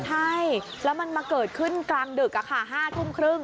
ใช่แล้วมันมาเกิดขึ้นกลางดึก๕ทุ่มครึ่ง